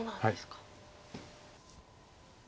はい。